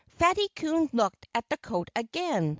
Fatty Coon looked at the coat again.